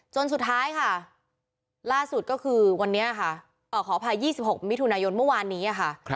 สุดท้ายค่ะล่าสุดก็คือวันนี้ค่ะขออภัย๒๖มิถุนายนเมื่อวานนี้ค่ะ